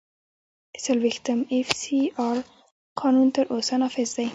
د څلوېښتم اېف سي آر قانون تر اوسه نافذ دی.